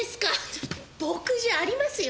ちょっと墨汁ありますよ。